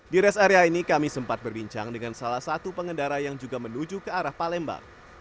di rest area ini kami sempat berbincang dengan salah satu pengendara yang juga menuju ke arah palembang